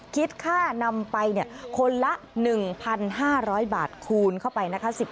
คิดค่านำไปคนละ๑๕๐๐บาทคูณเข้าไปนะคะ